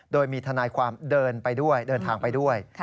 โดยมีทนายความเดินทางไปด้วย